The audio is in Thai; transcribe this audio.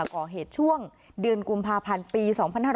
ก่อเหตุช่วงเดือนกุมภาพันธ์ปี๒๕๕๙